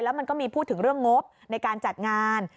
มันก็มีพูดถึงเรื่องงบในการจัดงาน